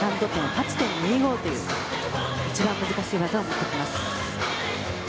８．２５という一番難しい技を持ってきます。